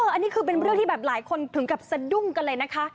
อันนี้คือเป็นเรื่องที่แบบหลายคนถึงกับสะดุ้งกันเลยนะคะ